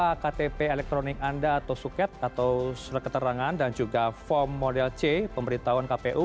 apakah ktp elektronik anda atau suket atau surat keterangan dan juga form model c pemberitahuan kpu